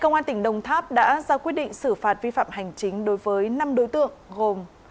công an tỉnh đồng tháp đã ra quyết định xử phạt vi phạm hành chính đối với năm đối tượng gồm